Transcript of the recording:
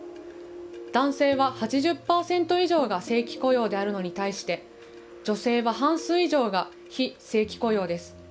男性は８０％以上が正規雇用であるのに対して女性は半数以上が非正規雇用です。